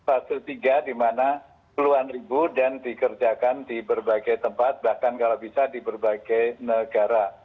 fase tiga di mana puluhan ribu dan dikerjakan di berbagai tempat bahkan kalau bisa di berbagai negara